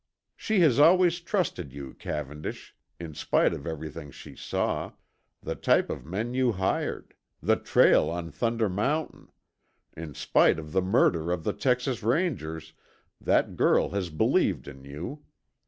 She has always trusted you, Cavendish, in spite of everything she saw; the type of men you hired; the trail on Thunder Mountain; in spite of the murder of the Texas Rangers, that girl has believed in you.